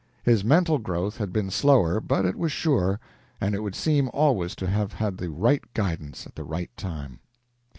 His mental growth had been slower, but it was sure, and it would seem always to have had the right guidance at the right time.